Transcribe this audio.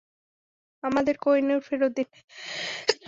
আমাদের কোহিনূর ফেরত দিন!